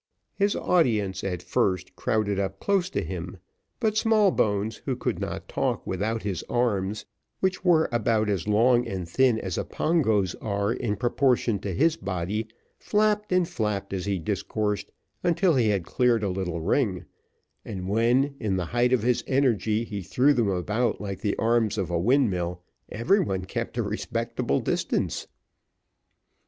His audience, at first, crowded up close to him, but Smallbones, who could not talk without his arms, which were about as long and thin as a Pongo's are in proportion to his body, flapped and flapped as he discoursed, until he had cleared a little ring, and when in the height of his energy he threw them about like the arms of a windmill, every one kept at a respectable distance.